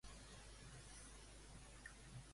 A qui va matar el rei en primer lloc?